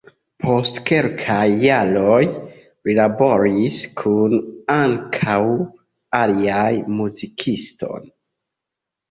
Post kelkaj jaroj li laboris kun ankaŭ aliaj muzikistoj.